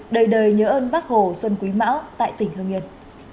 đời đời nhớ ơn bác hồ xuân quý mão tại tỉnh hương yên